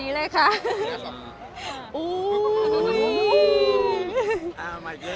มันเป็นปัญหาจัดการอะไรครับ